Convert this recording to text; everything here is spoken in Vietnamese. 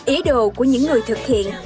ý đồ của những người thực hiện